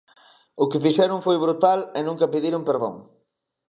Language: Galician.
O que fixeron foi brutal e nunca pediron perdón.